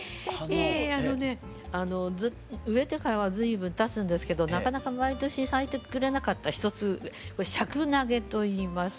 ええあのね植えてからは随分たつんですけどなかなか毎年咲いてくれなかった１つこれシャクナゲといいます。